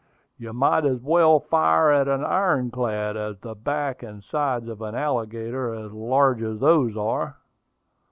"You might as well fire at an iron clad, as at the back and sides of an alligator as large as those are."